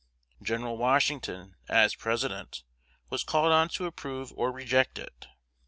Gen. Washington, as President, was called on to approve or reject it.